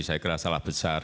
saya kira salah besar